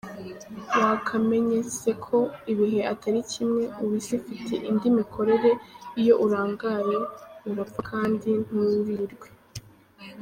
Wakamenyeseko ibihe atarikimwe ubu isi ifite indimikorere iyo urangaye uraphakandinturirirwe.